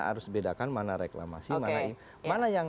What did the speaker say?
harus bedakan mana reklamasi mana yang